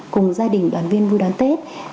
cùng gia đình đoàn viên vui đoán tết